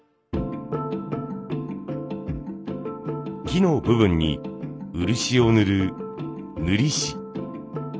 木の部分に漆を塗る塗師。